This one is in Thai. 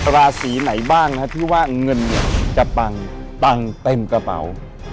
ราศรีไหนบ้างนะที่ว่าเหมาะเงินจะปางปางเต็มกระเป๋า